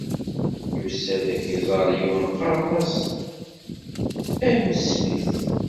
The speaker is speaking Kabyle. Yusa-d ad k-iẓer yiwen qqaren-as M. Smith.